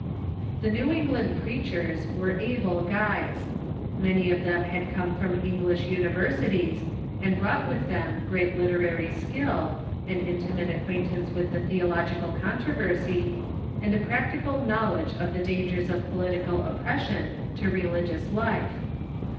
The NcAv England preachers Avere able guides. Many of them had come from English univei'sities, and brought with them great literary skill, an intimate acquaintance Avith the KELIGIOUS LIFE OF THE COLONIES 471 ©logical controversy, and a practical knowledge of the dan gers of political oppression to religious life.